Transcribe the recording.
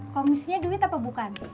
komisinya duit apa bukan